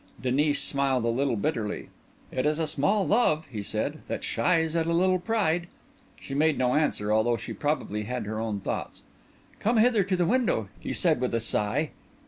Denis smiled a little bitterly. "It is a small love," he said, "that shies at a little pride." She made no answer, although she probably had her own thoughts. "Come hither to the window," he said, with a sigh.